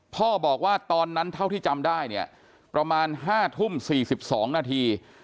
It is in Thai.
พ่อบอกว่าตอนนั้นเท่าที่จำได้เนี่ยประมาณ๕ทุ่ม๔๒นาที